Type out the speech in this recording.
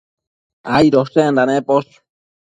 Aidoshenda neposh